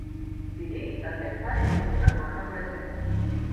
তিনি তার লেখায় এ ঘটনা বর্ণনা করেছেন।